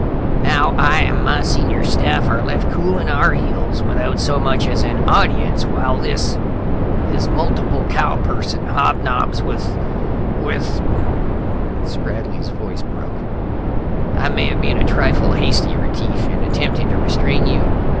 Now I and my senior staff, are left cooling our heels, without so much as an audience while this this multiple Kau person hobnobs with with " Spradley's voice broke. "I may have been a trifle hasty, Retief, in attempting to restrain you.